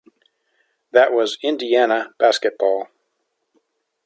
That was Indiana basketball.